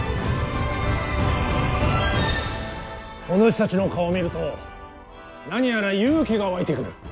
おぬしたちの顔を見ると何やら勇気が湧いてくる。